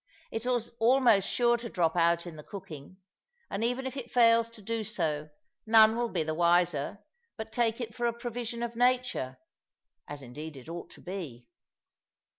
It is almost sure to drop out in the cooking; and even if it fails to do so, none will be the wiser, but take it for a provision of nature as indeed it ought to be.